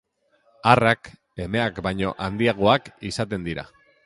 Arrak emeak baino handiagoak izaten dira.